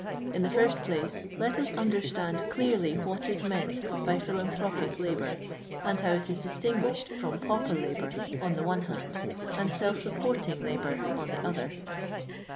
In the first place, let us understand clearly what is meant by philanthropic labour, and how it is distinguished from pauper labour on the one hand, and self supporting labour on the other.